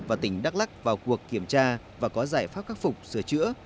và tỉnh đắk lắc vào cuộc kiểm tra và có giải pháp khắc phục sửa chữa